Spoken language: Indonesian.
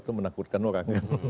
itu menakutkan orang